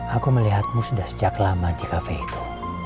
aku melihatmu sudah sejak lama di kafe itu